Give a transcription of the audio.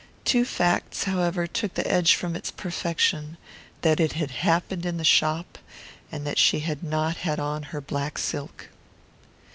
Two facts, however, took the edge from its perfection: that it had happened in the shop, and that she had not had on her black silk.